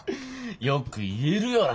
よく言えるよな。